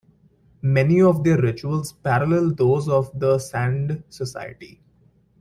Many of their rituals parallel those of the Sande society.